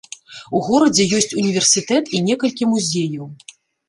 У горадзе ёсць універсітэт і некалькі музеяў.